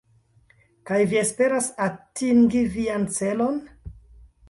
Kaj vi esperas atingi vian celon?